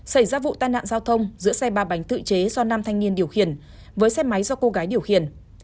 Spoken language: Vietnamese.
xảy ra vụ tai nạn giao thông giữa xe ba bánh tự chế do nam thanh niên điều khiển với xe máy do cô gái điều khiển